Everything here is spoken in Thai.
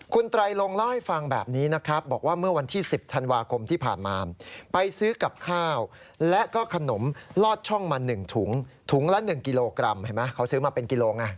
คุณไตรลงเล่าให้ฟังแบบนี้นะครับบอกว่าเมื่อวันที่๑๐ธันวาคมที่ผ่านมาไปซื้อกับข้าวและก็ขนมลอดช่องมา๑ถุงถุงละ๑กิโลกรัมเห็นไหมเขาซื้อมาเป็นกิโลไง